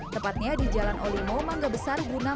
tepatnya di jalan olimo mangga besar guna